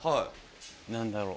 何だろう。